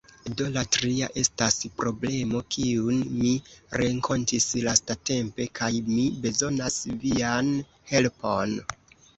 Do, la tria estas problemo, kiun mi renkontis lastatempe, kaj mi bezonas vian helpon.